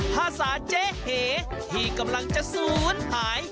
ภาษาเจ๊เหที่กำลังจะศูนย์หาย